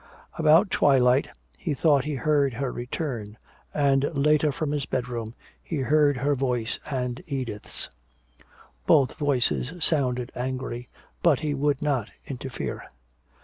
About twilight he thought he heard her return, and later from his bedroom he heard her voice and Edith's. Both voices sounded angry, but he would not interfere.